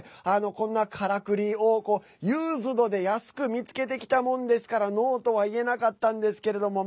こんなからくりをユーズドで安く見つけてきたものですからノーとは言えなかったんですけれども。